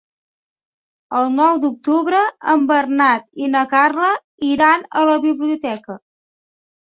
El nou d'octubre en Bernat i na Carla iran a la biblioteca.